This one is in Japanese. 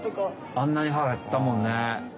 あんなに歯あったもんね。